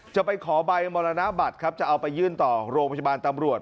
จะไปขอใบมรณบัตรครับจะเอาไปยื่นต่อโรงพยาบาลตำรวจ